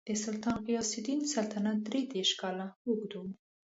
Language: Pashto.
د سلطان غیاث الدین سلطنت درې دېرش کاله اوږد و.